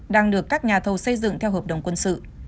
đang được các nhà thầu xây dựng theo hợp đồng quân sự